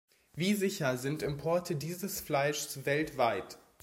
Wie sicher sind Importe dieses Fleischs weltweit?